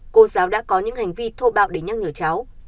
cô giáo đã có những hành vi thô bạo để nhắc nhở cháu